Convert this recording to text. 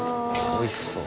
おいしそう。